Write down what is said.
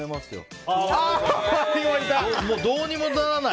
どうにもならない。